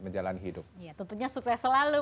menjalani hidup ya tentunya sukses selalu